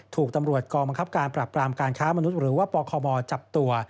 ถูกตำรวจกองบังคับการปรับปรามการค้ามนุษย์หรือว่าปคมจับตัว